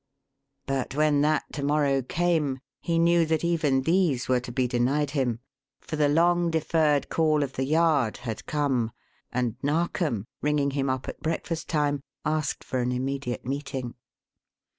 But when that to morrow came he knew that even these were to be denied him; for the long deferred call of the Yard had come, and Narkom, ringing him up at breakfast time, asked for an immediate meeting.